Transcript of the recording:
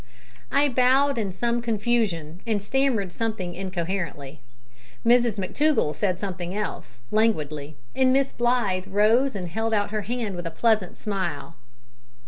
I bowed in some confusion, and stammered something incoherently. Mrs McTougall said something else, languidly, and Miss Blythe rose and held out her hand with a pleasant smile.